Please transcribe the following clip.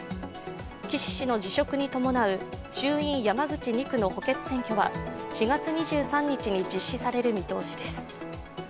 岸氏の辞職に伴う衆院山口２区の補欠選挙は４月２３日に実施される見通しです。